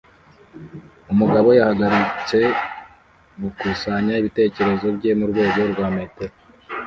Umugabo yahagaritse gukusanya ibitekerezo bye murwego rwa metero